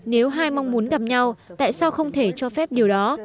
nếu hai mong muốn gặp nhau tại sao không thể cho phép điều đó